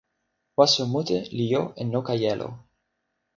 waso mute li jo e noka jelo.